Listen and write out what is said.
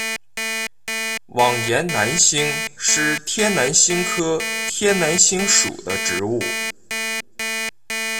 网檐南星是天南星科天南星属的植物。